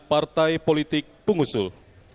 partai politik pengusul